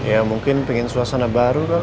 ya mungkin pengen suasana baru kan